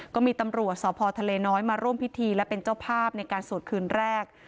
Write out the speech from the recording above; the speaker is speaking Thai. ก็มีตำรวจสพทะเลน้อยมาร่วมพิธีและเป็นเจ้าภาพในการสวดคืนแรก